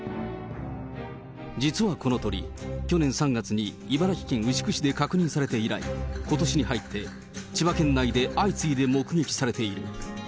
実はこの鳥、去年３月に茨城県牛久市で確認されて以来、ことしに入って千葉県内で相次いで目撃されている。